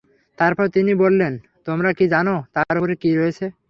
তারপর তিনি বললেন, তোমরা কি জান, তার উপরে কি রয়েছে?